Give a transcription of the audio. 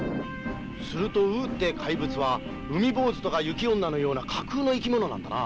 するとウーって怪物は海坊主とか雪女のような架空の生き物なんだな。